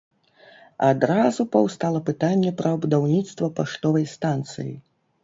Адразу паўстала пытанне пра будаўніцтва паштовай станцыі.